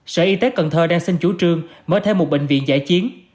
sở y tế cần thơ đang xin chủ trương mở thêm một bệnh viện giải chiến